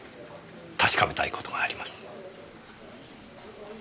確かめたい事があります。